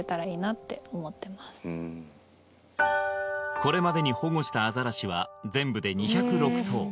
これまでに保護したアザラシは全部で２０６頭